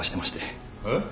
えっ？